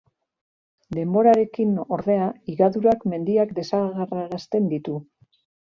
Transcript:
Denborarekin, ordea, higadurak mendiak desagerrarazten ditu.